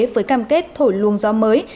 với cam kết thổi luồng gió mới